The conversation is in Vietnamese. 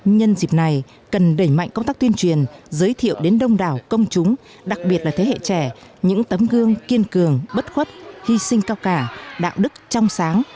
nhân dịp này cần đẩy mạnh công tác tuyên truyền giới thiệu đến đông đảo công chúng đặc biệt là thế hệ trẻ những tấm gương kiên cường bất khuất hy sinh cao cả đạo đức trong sáng